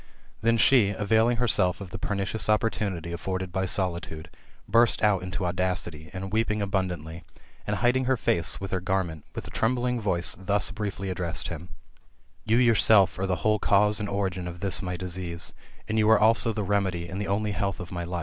Then she, avail ing herself of the pernicious opportunity afforded by solitude, burst out into audacity, and weeping abundantly, and hiding her face with her garment, with a trembling voice thus briefly ad dressed him :'' You yourself are the whole cause and origin of this my disease, and you are also the remedy, and the only health of my life.